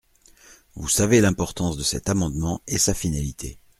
Vous savez l’importance de cet amendement et sa finalité.